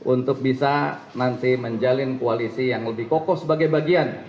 untuk bisa nanti menjalin koalisi yang lebih kokoh sebagai bagian